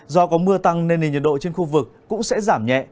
do có mưa tăng nên nền nhiệt độ trên khu vực cũng sẽ giảm nhẹ